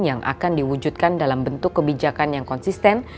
yang akan diwujudkan dalam bentuk kebijakan yang konsisten